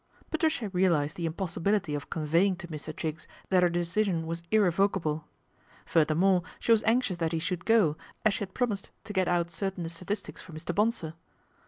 Patricia realised the impossibility of conveying :o Mr. Triggs that her decision was irrevocable, furthermore she was anxious that he should go, is she had promised to get out certain statistics or Mr. Bonsor.